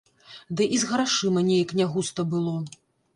Ды і з грашыма неяк не густа было.